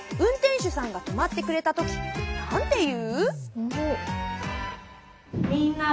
しゅさんがとまってくれたときなんていう？